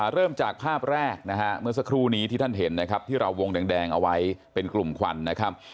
เริ่มจากภาพแรกนะฮะเมื่อสักครู่นี้ที่ท่านเห็นนะครับที่เราวงแดงเอาไว้เป็นกลุ่มควันนะครับ